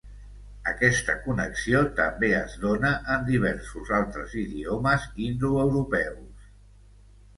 Aquesta connexió també es dóna en diversos altres idiomes indoeuropeus.